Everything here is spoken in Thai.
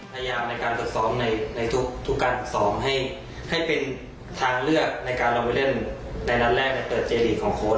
พยายามในการฝึกซ้อมในทุกการฝึกซ้อมให้เป็นทางเลือกในการลงไปเล่นในนัดแรกในเปิดเจลีกของโค้ช